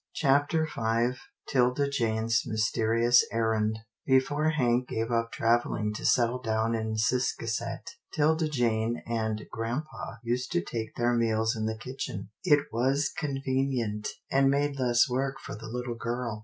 CHAPTER V 'tilda jane's mysterious errand Before Hank gave up travelling to settle down in Ciscasset, 'Tilda Jane and grampa used to take their meals in the kitchen. It was convenient and made less work for the little girl.